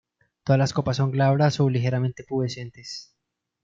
Todas las copas son glabras o ligeramente pubescentes.